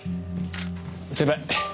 先輩。